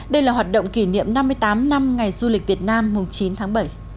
đây là hoạt động kỷ niệm năm mươi tám năm ngày du lịch việt nam chín tháng bảy